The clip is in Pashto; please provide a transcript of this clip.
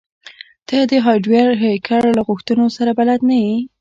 ته د هارډویر هیکر له غوښتنو سره بلد نه یې